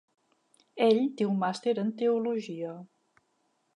Ell té un Màster en Teologia.